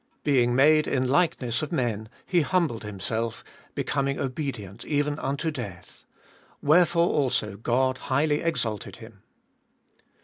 Being made in likeness of men, He humbled Himself, becoming obedient even unto death. Where fore also God highly exalted Him.